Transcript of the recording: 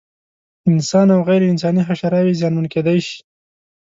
انسان او غیر انساني حشراوې زیانمن کېدای شي.